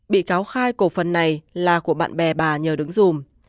bị cáo khai cổ phần này là của bạn bè bà nhờ đứng dùm